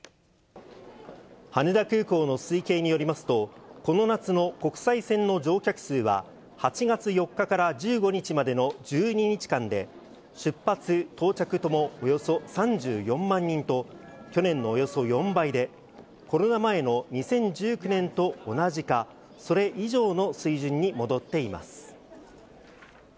羽田空港の推計によりますと、この夏の国際線の乗客数は、８月４日から１５日までの１２日間で、出発、到着ともおよそ３４万人と、去年のおよそ４倍で、コロナ前の２０１９年と同じかそれ以上の水準に戻っています。